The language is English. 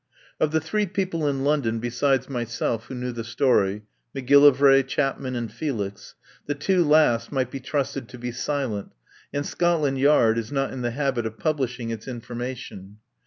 Of the three people in London besides my self who knew the story — Macgiilivray, Chap man and Felix — the two last might be trusted to be silent, and Scotland Yard is not in the habit of publishing its information.